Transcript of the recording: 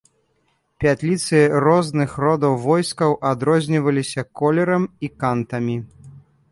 Пятліцы розных родаў войскаў адрозніваліся колерам і кантамі.